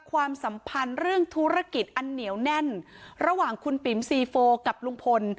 ความสัมพันธ์เรื่องธุรกิจอันเหนียวแน่นระหว่างคุณปิ๋มซีโฟกับลุงพล